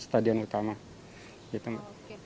kemudian stadion pertama